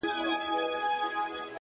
گراني دې ځاى كي دغه كار وچاته څه وركوي;